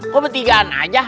kok bertigaan aja